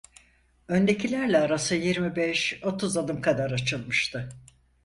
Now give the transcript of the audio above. Öndekilerle arası yirmi beş, otuz adım kadar açılmıştı.